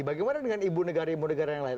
bagaimana dengan ibu negara ibu negara yang lain